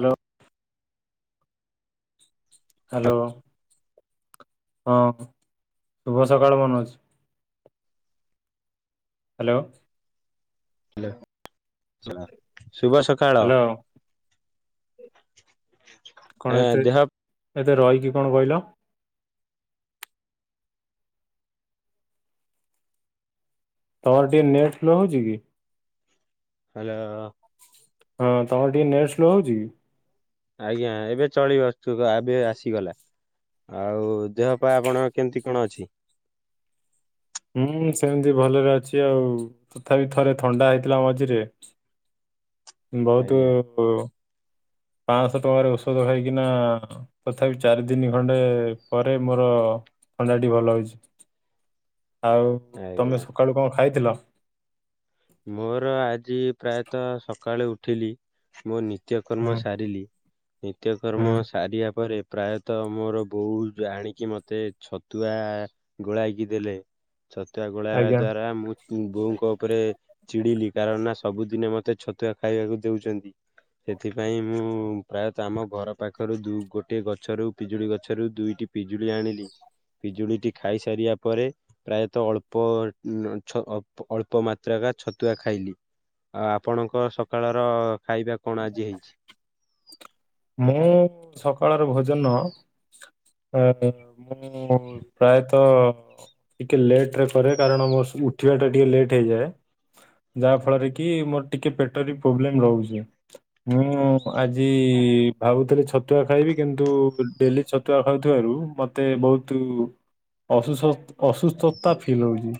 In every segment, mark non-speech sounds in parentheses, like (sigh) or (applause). Hello. Hello ହଁ ଶୁଭ ସକାଳ ମନୋଜ। ହ୍ୟାଲୋ ହ୍ୟାଲୋ ଶୁଭ ସକାଳ। ହ୍ୟାଲୋ। ଆଁ ଦେହ ମତେ ରହିକି କଣ କହିଲ ତମର ଟିକିଏ ନେଟ୍ ସ୍ଲୋ ହଉଛି କି ହ୍ୟାଲୋ ହଁ ତମର ଟିକେ ନେଟସ୍ଲୋ ହଉଛି ଆଜ୍ଞା ଏବେ ଚଳି ଆସଛୁ ଏବେ ଆସିଗଲା ଆଉ ଦେହ ପାଇଁ ଆପଣଙ୍କ କେମିତି କଣ ଅଛି। ହୁଁ ସେମିତି ଭଲରେ ଅଛି ଆଉ ତଥାପି ଥରେ ଥଣ୍ଡା ହେଇଥିଲା ମଝିରେ ବହୁତ ଆଜ୍ଞା ପାଞ୍ଚଶହ ଟଙ୍କାରେ ଔଷଧ ଖାଇକିନା ତଥାପି ଚାରି ଦିନି ଖଣ୍ଡେ ପରେ ମୋର ଥଣ୍ଡାଟି ଭଲ ହଉଛି ଆଉ ଆଜ୍ଞା ତମେ ସକାଳୁ କଣ ଖାଇଥିଲ। ମୋର ଆଜି ପ୍ରାୟତଃ ସକାଳେ ଉଠିଲି ମୋ ନି ନିତ୍ୟ ହୁଁ କର୍ମ ସାରିଲି ନିତ୍ୟ କର୍ମ ହୁଁ ସାରିବା ପରେ ପ୍ରାୟତଃ ମୋର ବୋଉ ଆଣିକି ମତେ ଛତୁଆ ଗୋଳାଇକି ଦେଲେ ଛତୁଆ ଗୋଳେଇବା ଆଜ୍ଞା ଦ୍ଵାରା ମୁଁ ବୋଉଙ୍କ ଉପରେ ଚିଡିଲି କାରଣ ନା ସବୁଦିନେ ମତେ ଛତୁଆ ଖାଇବାକୁ ଦଉଛନ୍ତି ସେଥିପାଇଁ ମୁଁ ପ୍ରାୟତଃ ଆମ ଘର ପାଖରୁ ଗୋଟଏ ଗଛରୁ ପିଜୁଳି ଗଛରୁ ଦୁଇଟି ପିଜୁଳି ଆଣିଲି ପିଜୁଳିଟି ଖାଇସାରିବା ପରେ ପ୍ରାୟତଃ ଅଳ୍ପ ଅଳ୍ପ ମାତ୍ରାକା ଛତୁଆ ଖାଇଲି ଆଉ ଆପଣଙ୍କ ସକାଳର ଖାଇବା କଣ ଆଜି ହେଇଛି। ମୁଁ ସକାଳର ଭୋଜନ ଅଁ ମୁଁ ପ୍ରାୟତ ତ ଟିକେ ଲେଟ ରେ କରେ କାରଣ ମୋ ଉଠିବା ଟା ଟିକେ ଲେଟ୍ ହେଇଯାଏ। ଯାହା ଫଳରେ କି ମୋର ଟିକେ ପେଟରେ ପ୍ରୋବ୍ଲେମ ରହୁଛି ମୁଁ ଆଜି ଭାବୁଥିଲି ଛତୁଆ ଖାଇବି କିନ୍ତୁ ଡେଲି ଛତୁଆ ଖାଉଥିବାରୁ ମତେ ବହୁତ ଅସ୍ ଅସୁସ୍ଥତା ଫିଲ୍ ହଉଛି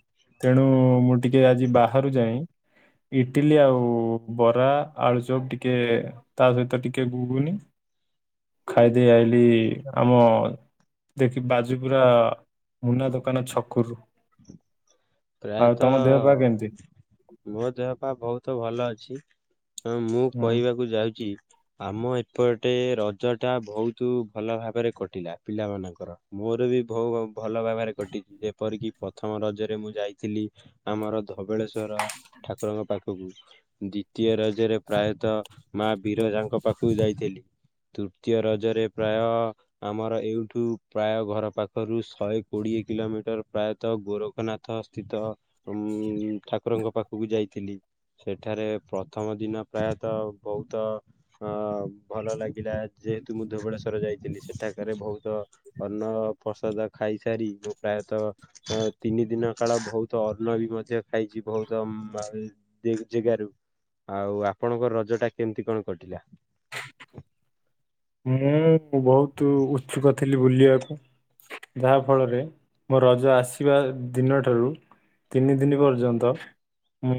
ତେଣୁ ମୁଁ ଟିକେ ଆଜି ବାହାରୁ ଯାଏ ଇଟିଲି ଆଉ ବରା ଆଳୁଚପ ଟିକେ ତା ସହିତ ଟିକେ ଟିକେ ଘୁଗୁନି ଖାଇଦେଇ ଆଇଲି ଆମ ଦେଖି ବାଜି ପୁରା ମୁନା ଦୋକାନ ଛକରୁ। ଆଉ ପ୍ରାୟତଃ ତମ ଦେହ ପା କେମିତି? ମୋ ଦେହ ପା ବହୁତ ଭଲ ଅଛି। ହଁ ମୁଁ ହୁଁ କହିବାକୁ ଯାଉଛି ଆମ ଏ ଏପଟେ ରଜ ଟା ବହୁତ ଭଲ ଭାବରେ କଟିଲା ପିଲା ମାନଙ୍କର ମୋର ବି ବୋ ଭଲ ଭାବରେ କଟିଛି ଯେପରିକି ପ୍ରଥମ ରଜରେ ମୁଁ ଯାଇଥିଲି ଆମର ଧବଳେଶ୍ଵର ଠାକୁରଙ୍କ ପାଖ ଦ୍ଵିତୀୟ ରାଜରେ ପ୍ରାୟତଃ ମା ବିରଜାଙ୍କ ପାଖକୁ ଯାଇଥିଲି। ତୃତୀୟ ରଜରେ ପ୍ରାୟ ଆମର ଏଇଠୁ ପ୍ରାୟ ଘର ପାଖରୁ ଶହେ କୋଡିଏ କିିଲୋମିଟର ପ୍ରାୟତଃ ଗୋରଖନାଥ ସ୍ଥିତ ଉ ଠାକୁରଙ୍କ ପାଖକୁ ଯାଇଥିଲି ସେଠାରେ ପ୍ରଥମ ଦିନ ପ୍ରାୟତଃ ବହୁତ ଅ ଭଲ ଲାଗିଲା ଯେହେତୁ ମୁଁ ଧୁବଳେଶ୍ଵର ଯାଇଥିଲି। ସେଠାକାର ବହୁତ ଅନ୍ନ ପ୍ରସାଦ ଖାଇସାରି ମୁଁ ପ୍ରାୟତଃ ତିନି ଦିନ ସକାଳ ବହୁତ ଅନ୍ନ ବି ମଧ୍ୟ ଖାଇଛି ବହୁତ ଜାଗାରୁ। ଆଉ ଆପଣଙ୍କ ରଜ ଟା କେମିତି କଣ କଟିଲା। (inaudible) ମୁଁ ବହୁତ ଉତ୍ସୁକ ବୁଲିବାକୁ ଯାହାଫଳରେ ମୋ ରଜ ଆସିବା ଦିନଠାରୁ ତିନି ଦିନ ପର୍ଯ୍ୟନ୍ତ ମୁଁ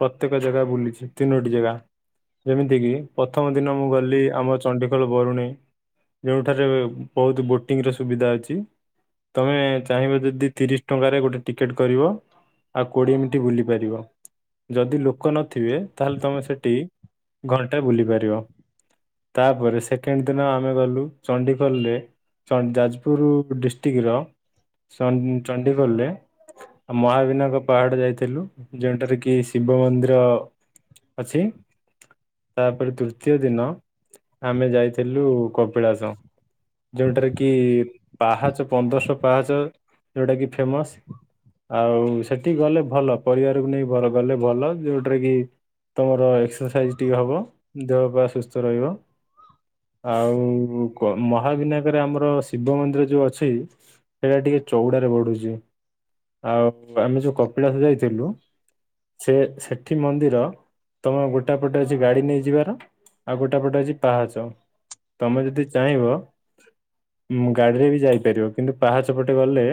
ପ୍ରତ୍ୟେକ ଜାଗା ବୁଲିଛି, ତିନୋଟି ଜାଗା। ଯେମିତି କିି ପ୍ରଥମ ଦିନ ମୁଁ ଗଲି ଆମ ଚଣ୍ଡି ବରୁଣେ ଯେଉଁଠାରେ ବହୁତ ବୋଟିଙ୍ଗର ସୁବିଧା ଅଛି। ତମେ ଚାହିଁବ ଯଦି ତିରିଶ ଟଙ୍କାରେ ଗୋଟେ ଟିକେଟ କରିବ। ଆଉ କୋଡିଏ ମିନିଟ୍ ବୁଲି ପାରିବ ଯଦି ଲୋ ଲୋକ ନଥିବେ ତାହେଲେ ତମେ ସେଠି ଘଣ୍ଟାଏ ବୁଲି ପାରିବ ତାପରେ ସେ ସେକେଣ୍ଡ ଦିନ ଆମେ ଗଲୁ ଚଣ୍ଡିଖୋଲରେ ଚ ଯାଜପୁର ଡିଷ୍ଟ୍ରିକ ର ସନ୍ ଚଣ୍ଡିଖୋଲରେ। ମହାବିନାୟକ ପାହାଡ ଯାଇଥିଲୁ ଯେଉଠାରେ କି ଶିବ ମନ୍ଦିର ଅଛି ତାପରେ ତୃତୀୟ ଦିନ ଆମେ ଯାଇଥିଲୁ କପିଳାସ। ଯୋଉଟାରେ କି ପାହାଚ ପନ୍ଦରଶ ପାହାଚ ଯୋଉଟା କି ଫେମସ। ଆଉ ସେଠି ଗଲେ ଭଲ ପରିବାରକୁ ନେଇ ବର ଗଲେ ଭଲ ଯୋଉଟରେ କି ତମର ଏକ୍ସସାଇଜ ଟିକେ ହବ ଦେହ ପ୍ରାୟ ସୁସ୍ଥ ରହିବ। ଆଉ ମହାବିନାୟକରେ ଆମର ଶିବ ମନ୍ଦିର ଯୋଉ ଅଛି, ସେଇଟା ଟିକେ ଚଉଡ଼ା ବଢୁଛି ଆଉ ଆମେ ଯୋଉ କପିଳା ଯାଇଥିଲୁ। ସେ ସେଠି ମନ୍ଦିର ତମେ ଗୋଟା ପଟେ ଅଛି ଗାଡି ନେଇଯିବାର ଆଉ ଗୋଟା ପଟେ ପାହାଚ ତମେ ଯଦି ଚାହିଁବ। ଗାଡିରେ ବି ଯାଇପାରିବ କିନ୍ତୁ ପାହାଚପଟେ ଗଲେ,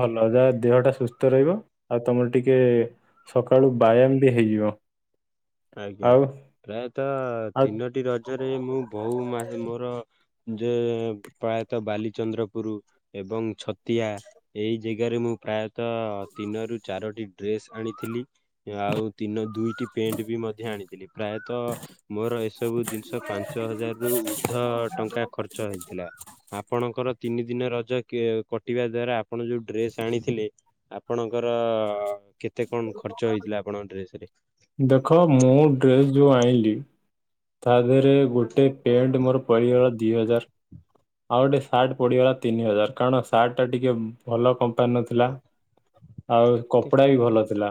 ଭଲ ଯାହା ଦେହଟା ସୁସ୍ଥ ରହିବ। ଆଉ ତମର ଟିକେ ସକାଳୁ ବାୟାମ ବି ହେଇଯିବ। ଆଜ୍ଞା ଆଉ ପ୍ରାୟତଃ ଆଉ ତିନୋଟି ରଜରେ ମୁଁ ବୋଉ ମୋର। ଯେ ପ୍ରାୟତଃ ବାଲିଚନ୍ଦ୍ରପୁରୁ ଏବଂ ଛତିଆ ଏଇ ଜାଗାରେ ମୁଁ ମୁଁ ପ୍ରାୟତଃ ତିନରୁ ଚାରୋଟି ଡ୍ରେସ ଆଣିଥିଲି ଆଉ ତିନ ଦୁଇ ପେଣ୍ଟ ବି ମଧ୍ୟ ଆଣିଥିଲି। ପ୍ରାୟତଃ ମୋର ଏସବୁ ଜିନିଷ ପାଞ୍ଚ ହଜାରରୁ ଉର୍ଦ୍ଧ ଟଙ୍କା ଖର୍ଚ୍ଚ ହେଇଥିଲା। ଆପଣଙ୍କର ତିନି ଦିନ ରଜ କଟିବା ଦ୍ଵାରା ଆପଣ ଯୋଉ ଡ୍ରେସ୍ ଆଣିଥିଲେ, ଆପଣଙ୍କର କେତେ କଣ ଖର୍ଚ୍ଚ ହେଇଥିଲା, ଆପଣଙ୍କ ଡ୍ରେସ ରେ ଦେଖ ମୁଁ ଡ୍ରେସ୍ ଯେଉଁ ଆଇଁଲି। ତା ଦେହରେ ଗୋଟେ ପେଣ୍ଟ ମୋର ପରିଗଲା ଦି ହଜାର। ଆଉ ଗୋଟେ ସାର୍ଟ ପଡିଗଲା ତିନି ହଜାର କାରଣ ସାର୍ଟଟା ଟିକେ ଭଲ କମ୍ପାନୀ ନଥିଲା। ଆଉ କପଡା ବି ଭଲ ରେ? ଥିଲା।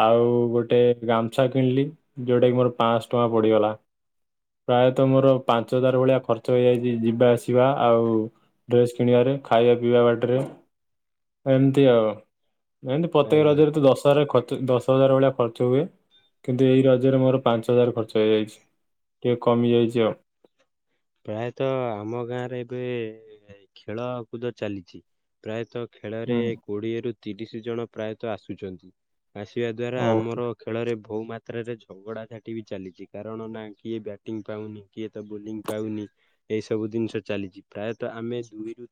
ଆଉ ଗୋଟେ ଗାମଛା କିଣିଲି ଯୋଉଟା କିି ମୋର ପାଁଶ ଟଙ୍କା ପଡିଗଲା। ପ୍ରାୟତଃ ମୋର ପାଞ୍ଚ ହଜାର ଭଳିଆ ଖର୍ଚ୍ଚ ହେଇଯାଇଛି, ଯିବା ଆସିବା ଆଉ ଡ୍ରେସ୍ କିଣିବାରେ। ଖାଇବା ପିଇବା ବାଟରେ ଏମିତି ଆଉ। ଏମିତି ପ୍ରତ୍ୟେକ ଆଜ୍ଞା ରଜରେ ତ ଦଶ ହଜାର ଖର୍ଚ୍ଚ ଦଶ ହଜାର ଭଳିଆ ଖର୍ଚ୍ଚ ହୁଏ କିନ୍ତୁ ଏଇ ରଜରେ ମୋର ପାଞ୍ଚ ହଜାର ଖର୍ଚ୍ଚ ଯାଇଛି, ଟିକେ କମି ଯାଇଛି ଆଉ। ପ୍ରାୟତଃ ଆମ ଗାଁରେ ଏବେ ଖେଳକୁଦ ଚାଲିଛି। ପ୍ରାୟତଃ ଖେଳରେ ହୁଁ କୋଡିଏରୁୁ ତିରିଶ ଜଣ ପ୍ରାୟତଃ ଆସୁଛନ୍ତି। ଆସିବା ଦ୍ଵାରା ହଉ ଆମର ଖେଳରେ ବହୁ ମାତ୍ରାରେ ଝଗଡ଼ା ଝାଟି ବି ଚାଲିଛି କାରଣ ନା କିଏ ବ୍ୟାଟିଂ ପାଉନି କିଏ ତ ବୋଲି। ପାଉନି, ଏଇସବୁ ଜିନିଷ ଚାଲିଛି ପ୍ରାୟତଃ ଆମେ ଦୁଇ ରୁ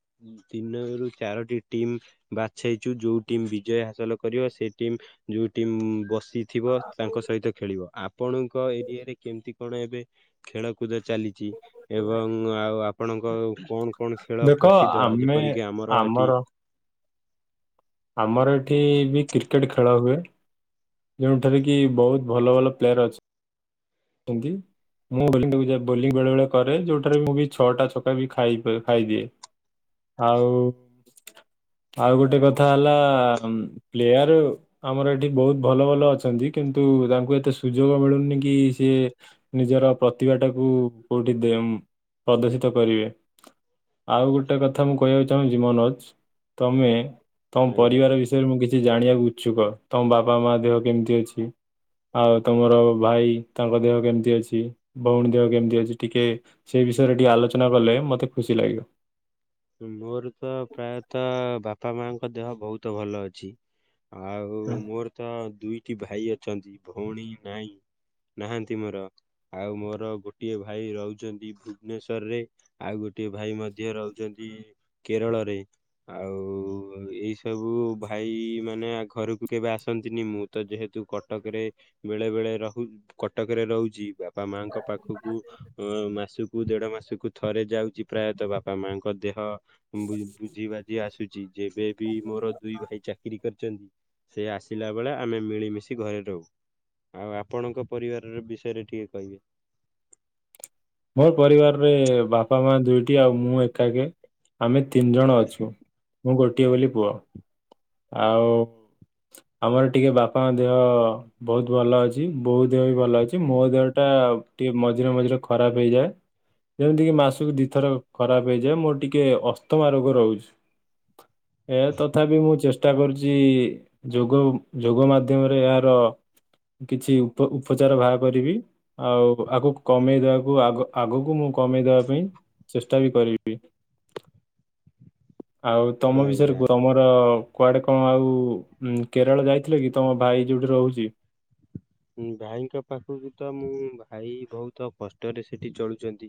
ତିନରୁ ଚାରୋଟି ଟିମ୍ ବାଛେଇଛୁ ଯୋଉ ଟିମ୍ ବିଜୟ ହାସଲ କରିବ ସେ ଟିମ୍ ଯୋଉ ଟିମ୍ ବ ତି ଥିବ ତାଙ୍କ ସହିତ ଖେଳିବ ଆ ଆପଣଙ୍କ ଏରିଆରେ କେମିତି କଣ ଏବେ ଖେଳକୁଦ ଚାଲିଛି। ଏବଂ ଆଉ ଆପଣଙ୍କ କଣ କଣ ଖେଳ ଦେଖ ପ୍ରସିଦ୍ଧ ଆମେ ଯେପରିକି ଆମର ଏଠି ଆମର ଏଠି ବି କ୍ରିକେଟ ଖେଳ ହୁଏ। ଯେଉଁଠାରେ କି ବହୁତ ଭଲ ଭଲ ପ୍ଲେୟାର ଅଛି (inaudible) ନ୍ତି। ମୁଁ ବୋଲି (inaudible) ବୋଲିଂ ବେଳେ ବେଳେ କରେ ଯୋଉଠାରେ ମୁଁ ବି ଛଅଟା ଛକା ବି ଖାଇ ଖାଇଦିଏ। ଆଉ ଆଉ ଗୋଟେ କଥା ହେଲା ଆମ୍ ପ୍ଲେୟାର ଆମର ଏଠି ବହୁତ ଭଲ ଭଲ ଅଛନ୍ତି କିନ୍ତୁ ତାଙ୍କୁ ଏତେ ସୁଯୋଗ ମିଳୁନି କି ସିଏ ନିଜର ପ୍ରତିଭାଟାକୁ କୁ କୋଉଠି ଦେମ୍ ପ୍ରଦର୍ଶିତ କରିବେ। ଆଉ ଗୋଟେ କଥା ମୁଁ କହିବାକୁ ଚାହୁଁ ମନୋଜ ତମେ ତମ ଆଜ୍ଞା ପରିବାର ବିଷୟରେ ମୁଁ କିଛି ଜାଣିବାକୁ ଇଛୁକ ତମ ବାପା ମା ଦେହ କେମିତି ଅଛି? ଆଉ ତମର ଭାଇ ତାଙ୍କ ଦେହ କେମିତି ଅଛି? ଭଉଣୀ ଦେହ କେମତି ଅଛି? ଟିକେ ସ ବିଷୟରେ ଟିକେ ଆଲୋଚନା କଲେ ମୋତେ ଖୁସି ଲାଗିବ। ମୋର ତ ପ୍ରାୟତଃ ବାପା ମାଙ୍କ ଦେହ ବହୁତ ଭଲ ଅଛି। ଆଉ ହୁଁ। ମୋର ତ ଦୁଇଟି ଭାଇ ଅଛନ୍ତି ଭଉଣୀ ନାଇଁ। ନାହାନ୍ତି ମୋର ଆଉ ମୋର ଗୋଟିଏ ଭାଇ ରହୁଛନ୍ତି ଭୁବନେଶ୍ଵରରେ ଆଉ ଗୋଟେ ଟିଏ ଭାଇ ମଧ୍ୟ ରହୁଛନ୍ତି। କେରଳରେ ଆଉ ଏଇ ସବୁ ଭାଇମାନେ ଘରକୁ କେବେ ଆସ ନ୍ତିନି ମୁଁ ତ ଯେହେତୁ କଟକରେ ବେଳେ ବେଳେ ରହୁ କଟକରେ ରହୁଛି ବାପାମାଙ୍କ ପାଖ ପାଖକୁ ମାସକୁ ଦେଢ ମାସକୁୁ ଥରେ ଯାଉଛି ପ୍ରାୟତ ବାପା ମାଙ୍କୁ ଙ୍କ ଦେହ ବୁ-ବୁଝି ବାଜି ଆସୁଛି ଯେବେ ବି ମୋର ଦୁଇ ଭାଇ ଚାକିରୀ କରିଛନ୍ତି। ସେ ଆସିଲା ବେଳେ ଆମେ ମିଳିମିଶି ଘରେ ରହୁ। ଆଉ ଆପଣଙ୍କ ପରିବାରର ବିଷୟରେ ଟିକେ କହିବେ। ମୋ ପରିବାରରେ ବାପା ମା ଦୁଇଟି ଆଉ ମୁଁ ଏକାକେ ଆମେ ତିନି ଜଣ ଅଛୁ। ମୁଁ ଗୋଟିଏ ବୋଲି ପୁଅ ଆଉ ଆମର ଟିକେ ବାପାଙ୍କ ଦେହ ବହୁତ ଭଲ ଅଛି ବୋଉ ଦେହ ବି ଭଲ ଅଛି ମୋ ଦେହଟା ଆଉ ଟିକେ ମଝିରେ ମଝିରେ ଖରାପ ହେଇଯାଏ। ଯେମିତି କିି ମାସକୁ ଦିଥର ଖରାପ ହେଇଯାଏ ମୋର ଟିକେ ଅସ୍ତମା ରୋଗ ରହୁଛି। ଏ ତଥାପି ମୁଁ ଚେସ ଷ୍ଟା କରୁଛି ଯୋଗ ଯୋଗ ମାଧ୍ୟମରେ ଏହାର କିଛି ଉପ-ଉପଚାର ବାହାର କରିବି ଆଉ ଆଗକୁ କମେଇଦବାକୁ ଆଗ-ଆଗକୁ ମୁଁ କମେଇ ଦେବା ପାଇଁ ଚେଷ୍ଟା ବି କରିବି। ଆଉ ତମ ବିଷୟରେ ଆଜ୍ଞା। କୁଅ ତମର କୁଆଡେ କଣ ଆଉ ଉ ମ୍ କେରଳ ଯାଇଥିଲ କି ତମ ଭାଇ ଯୋଉଠି ରହୁଛି? ଭାଇଙ୍କ ପାଖକୁ ତ ମୁଁ ଭାଇ ବହୁତ କଷ୍ଟରେ ସେଠି ଚଳୁଛନ୍ତି।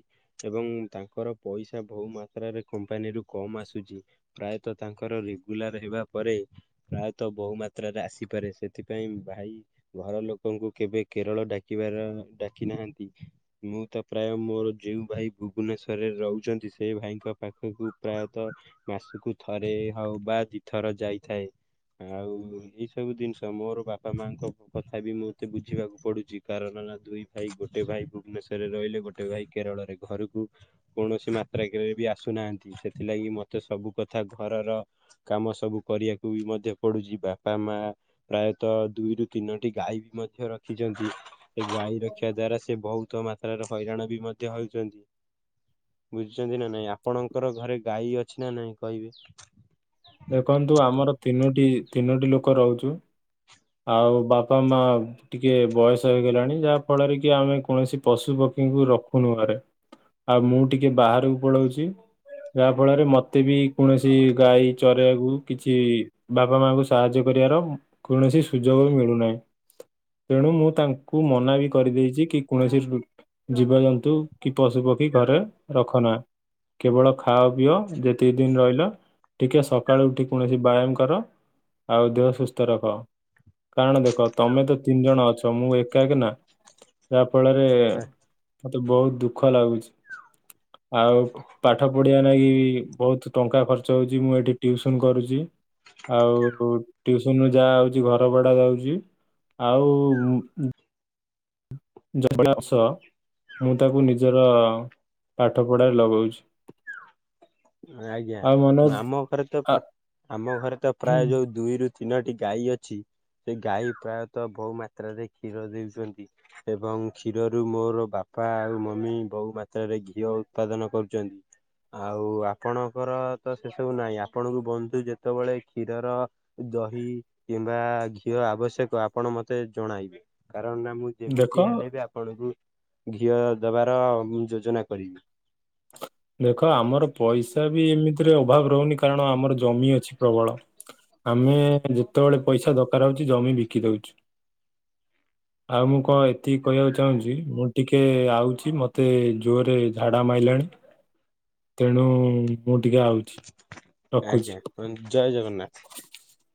ଏବଂ ଉଁ ମ୍ ତାଙ୍କର ପଇସା ବହୁ ମାତ୍ରାରେ କମ୍ପାନୀରୁ କମ୍ ଆସୁଛି ପ୍ରାୟତଃ ତାଙ୍କର ରେଗୁଲା ର ହେବା ପରେ ପ୍ରାୟତଃ ବହୁ ମାତ୍ରାରେ ଆସିପାରେ ସେଥିପାଇଁ ଭାଇ ଘର ଲୋ ଲୋକଙ୍କୁ କେବେ କେରଳ ଡାକିବାର ଡାକି ନାହାନ୍ତି ମୁଁ ତ ପ୍ରାୟ ମୋର ଯେଉଁ ଭାଇ ଭୁବନେଶ୍ୱରରେ ରହୁଛନ୍ତି ସେ ଭାଇଙ୍କ ପାଖକୁ ପ୍ରାୟତଃ ମାସକୁ ଥରେ ହଉ ବା ଦି ଥର ଯାଇଥାଏ ଆଉ ଏଇ ସବୁ ଜିନିଷ ମୋର ବାପା ମାଙ୍କ କଥା ବି ମୁଁ ମତେ ବୁଝିବାକୁ ପଡୁଛି କାରଣ ନା ଦୁଇ ଭାଇ ଗୋଟେ ଭାଇ ଭୁବନେଶ୍ୱରରେ ରହିଲେ ଗୋଟେ ଭାଇ କେରଳ ରେ ଘରୁକୁ କୁ କୌଣସି ମାତ୍ରା କେରେ ବି ଆସୁନାହାନ୍ତି ସେଥିଲାଗି ମତେ ସବୁ କଥା ଘରର ବା କାମ ସବୁ କରିବାକୁ ବି ମଧ୍ୟ ପଡୁଛି ବାପା ମା ପ୍ରାୟତଃ ଦୁଇରୁ ତିନୋଟି ଗାଈ ବି ଧ୍ୟ ଧ୍ୟ ରଖିଛନ୍ତି ସେ ଗାଈ ରଖିବା ଦ୍ଵାରା ସେ ବହୁ କ୍ତ ମାତ୍ରାର ହଇରାଣ ବି ମଧ୍ୟ ହେଉଛନ୍ତି। ବୁଝିଛନ୍ତି ନା ନାଇଁ ଆପଣଙ୍କର ଘରେ ଗାଈ ଅଛି ନା ନାଇଁ କହିବେ? (inaudible) ଦେଖନ୍ତୁ ଆମର ତିନୋଟି ତିନୋଟି ଲୋକ ରହୁଛୁ ଆଉ ବାପା ମା ଟିକେ ବୟସ ହେଇଗଲାଣି ଯାହା ଫଳରେ କି ଆମେ କୌଣସି ପଶୁ ପ ରଖୁନୁ ଘରେ ଆଉ ମୁଁ ଟିକେ ବାହାରକୁ ପଳୋଉଛି। ଯାହା ଫଳରେ ମତେ ବି କୌଣସି ଗାଈ ଚରେଇବାକୁ କିଛି ବାପା ମାଙ୍କୁୁ ସାହାଯ୍ୟ କ କରିବାର କୌଣସି ସୁଯୋଗ ମିଳୁନାହିଁ। ତେଣୁ ମୁଁ ତାଙ୍କୁ ମନା ବି କରିଦେଇଛି କି କୌଣସି ଜୀବଜନ୍ତୁ କି ପଶୁ ପ କ୍ଷୀ ଘରେ ରଖ ନା କେବଳ ଖାଅ ପିଅ ଯେତିକି ଦିନ ରହିଲ ଟିକେ ସକାଳୁ ଉଠି କୌଣସି ବ୍ୟାୟାମ କର ଆଉ ଦେହ ସୁସ୍ଥ ରଖ। କାରଣ ଦେଖ ତମେ ତ ତିନି ଜଣ ଅଛ ମୁଁ ଏକାକା ନା ଫଳରେ ମତେ ବହୁତ ଦୁଃଖ ଲାଗୁଛି ଆଉ ପାଠ ପଢିବା ଯାହାକି ବହୁତ ଟଙ୍କା ଖର୍ଚ୍ଚ ହଉଛି ମୁଁ ଏଠି ଟିଉସନ କରୁଛି। ଆଉ ଟିଉସନ ରୁ ଯାହା ହୋଉଛି ଘ ର ଭଡା ଯାଉଛି ଆଉ ଉଁ ମ୍ ଜବଡା ଅସ ମୁଁ ତାକୁ ନିଜର ପାଠ ପଢ଼ାରେ ଲଗଉଛି। ଆଜ୍ଞା ଆଉ ମନୋଜ ଆମ ଘରେ ତ ଆ ପ୍ରା ଆମ ଘରେ ତ ପ୍ରାୟ ଯୋଉ ଦୁଇରୁ ତିନୋଟି ଗାଈ ଅଛି। ସେ ଗାଈ ପ୍ରାୟତଃ ବହୁ ମାତ୍ରାରେ କ୍ଷୀର ଦେଉଛନ୍ତି ଏବଂ କ୍ଷୀରରୁ ମୋର ବା ପା ଆଉ ମମି ବହୁ ମାତ୍ରାରେ ଘିଅ ଉତ୍ପାଦନ କରୁଛନ୍ତି। ଆଉ ଆ ଆପଣଙ୍କର ତ ସେସବୁ ନାହିଁ ଆପଣଙ୍କୁ ବନ୍ଧୁ ଯେତେବେଳେ କ୍ଷୀରର ଦହି କି କିମ୍ବା ବା ଘିଅ ଆବଶ୍ୟକ ଆପଣ ମତେ ଜଣାଇବେ କାରଣ ନା ମୁଁ ଦେଖ ଯେମିତି ହେଲେ ବି ଆପଣଙ୍କୁ ଘିଅ ଦେବାର ଯୋଜନା କରିବି ଏବି ଏମିତିରେ ଅଭାବ ରହୁନି କାରଣ ଆମର ଜମି ଅଛି ପ୍ରବଳ। ଆମେ ଯେତେବେଳେ ପଇସା ଦ କାର ହଉଛି ଜମି ବିକି ଦୋଉଛୁ (inaudible) ଆଉ ମୁଁ କଣ ଏତିକି କହିବାକୁ ଚାହୁଁଛି ମୁଁ ଟିକେ ଆଉଛି ମତେ ଜୋରରେ ଝାଡା ମାଇଲାଣି ତେଣୁ ମୁଁ ଟିକେ ଆଉଛି ରଖୁଛି। ଆଜ୍ଞା ଜୟ ଜଗନ୍ନାଥ। (inaudible)